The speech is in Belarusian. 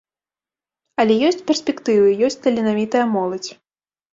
Але ёсць перспектывы, ёсць таленавітая моладзь.